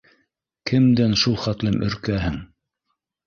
Кемдән шул хәтлем өркәһең.